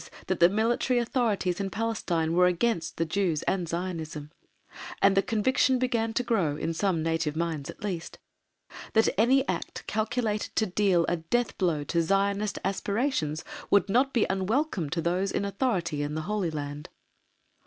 that the military authorities in Palestine were against the Jews and Zionism, and the conviction began to grow, in some native minds at least, that any act calculated to deal a death blow to Zionist aspirations would not be unwelcome to those in authority in the Holy Land.